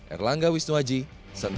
erlangga wisnuwaji sentul